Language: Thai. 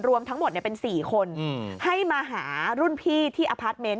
รวมทั้งหมดเป็น๔คนให้มาหารุ่นพี่ที่อพาร์ทเมนต์